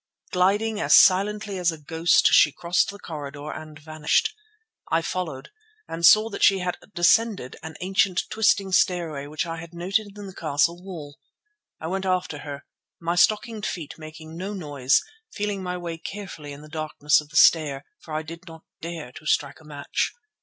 Gliding as silently as a ghost she crossed the corridor and vanished. I followed and saw that she had descended an ancient, twisting stairway which I had noted in the castle wall. I went after her, my stockinged feet making no noise, feeling my way carefully in the darkness of the stair, for I did not dare to strike a match.